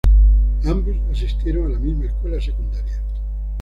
Ambos asistieron a la misma escuela secundaria.